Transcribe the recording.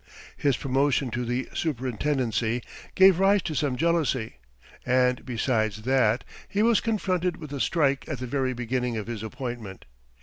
His promotion to the superintendency gave rise to some jealousy; and besides that, he was confronted with a strike at the very beginning of his appointment.